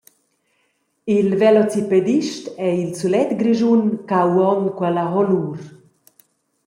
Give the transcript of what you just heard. Il velocipedist ei il sulet Grischun che ha uonn quella honur.